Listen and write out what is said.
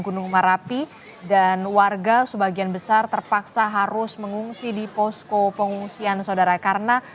gunung merapi dan warga sebagian besar terpaksa harus mengungsi di posko pengungsian saudara karena